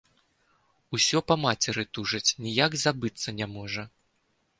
Усё па мацеры тужыць, ніяк забыцца не можа.